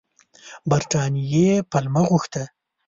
برټانیې پلمه غوښته.